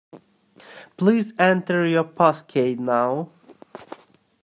Please enter your passkey now